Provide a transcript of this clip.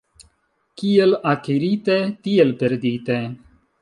Kiel akirite, tiel perdite.